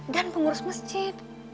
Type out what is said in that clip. dan pengurus masjid